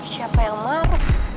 siapa yang maruk